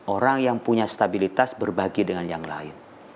orang yang punya stabilitas berbagi dengan yang lain